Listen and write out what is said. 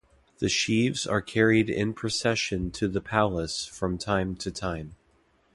The sheaves are carried in procession to the palace from time to time.